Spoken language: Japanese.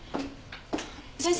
先生。